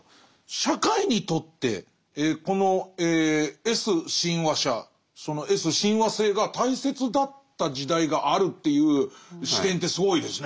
社会にとってこのＳ親和者そのＳ親和性が大切だった時代があるという視点ってすごいですね。